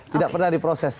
tidak pernah diproses